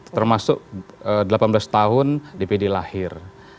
termasuk delapan belas tahun dpd lahir